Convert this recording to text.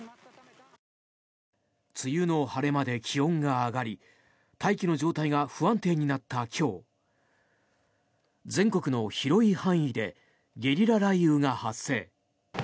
梅雨の晴れ間で気温が上がり大気の状態が不安定になった今日全国の広い範囲でゲリラ雷雨が発生。